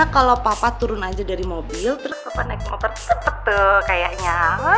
kalau bapak turun aja dari mobil terus bapak naik motor cepet cepet kayaknya